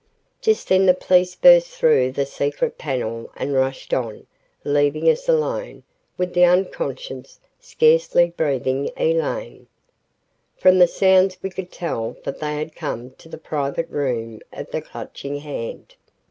Just then the police burst through the secret panel and rushed on, leaving us alone, with the unconscious, scarcely breathing Elaine. From the sounds we could tell that they had come to the private room of the Clutching Hand.